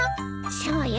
そうよ。